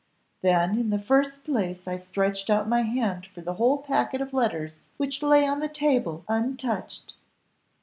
"Then, in the first place, I stretched out my hand for the whole packet of letters which lay on the table untouched."